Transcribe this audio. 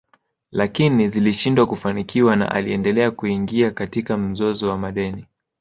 Lakini zilishindwa kufanikiwa na aliendelea kuingia katika mzozo wa madeni